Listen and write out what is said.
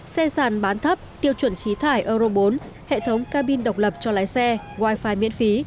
xe sàn bán thấp tiêu chuẩn khí thải euro bốn hệ thống cabin độc lập cho lái xe wifi miễn phí